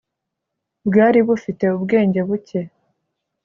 bwari bufite ubwenge buke